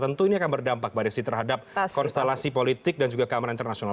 tentu ini akan berdampak mbak desi terhadap konstelasi politik dan juga keamanan internasional